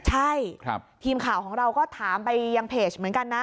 ใช่ทีมข่าวของเราก็ถามไปยังเพจเหมือนกันนะ